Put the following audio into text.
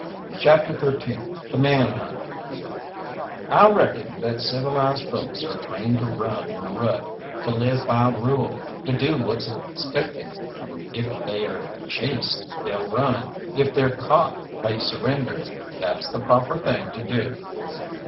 CHAPTER XIII THE MAN HUNT I reckon that civilised folks are trained to run in a rut, to live by rule, to do what's expected. If they're chased they'll run, if they're caught they surrender. That's the proper thing to do.